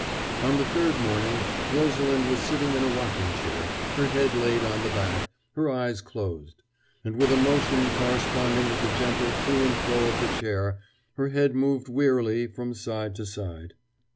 On the third morning Rosalind was sitting in a rocking chair, her head laid on the back, her eyes closed; and with a motion corresponding with the gentle to and fro motion of the chair her head moved wearily from side to side.